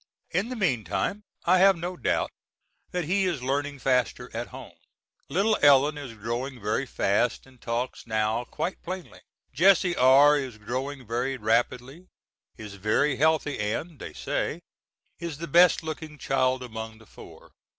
In the meantime I have no doubt but that he is learning faster at home. Little Ellen is growing very fast, and talks now quite plainly. Jesse R. is growing very rapidly, is very healthy and, they say, is the best looking child among the four.